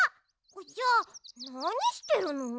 じゃあなにしてるの？